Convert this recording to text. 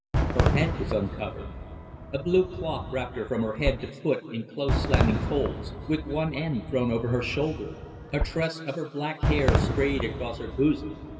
Her head was uncovered. A blue cloth wrapped her from her head to foot in close slanting folds, with one end thrown over her shoulder. A tress of her black hair strayed across her bosom.